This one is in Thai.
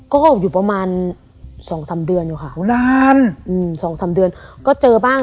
ก็อยู่ประมาณสองสามเดือนอยู่ค่ะนานอืมสองสามเดือนก็เจอบ้าง